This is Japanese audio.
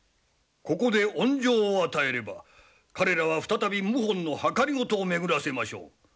ここで恩情を与えれば彼らは再び謀反のはかりごとを巡らせましょう。